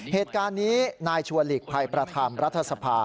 เหตุการณ์นี้นายชัวร์หลีกภัยประธานรัฐสภา